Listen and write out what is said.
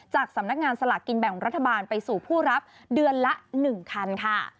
จากสำนักงานสลากกินแบ่งรัฐบาลไปสู่ผู้รับเดือนละ๑คันค่ะ